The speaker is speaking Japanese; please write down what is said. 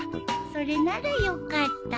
それならよかった。